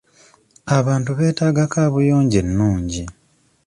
Abantu beetaaga kaabuyonjo ennungi.